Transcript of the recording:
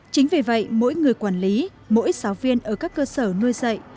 chính vì vậy mỗi người quản lý mỗi giáo viên ở các cơ sở nuôi dạy